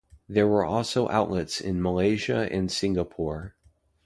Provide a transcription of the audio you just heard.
There were also outlets in Malaysia and Singapore.